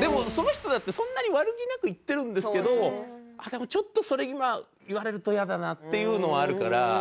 でもその人だってそんなに悪気なく言ってるんですけどでもちょっとそれ今言われるとやだなっていうのはあるから。